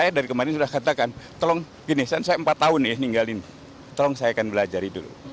saya dari kemarin sudah katakan tolong gini saya empat tahun ya ninggalin tolong saya akan belajari dulu